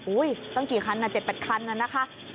อุ้ยตั้งกี่คันนะเจ็บแปดคันนะนะคะ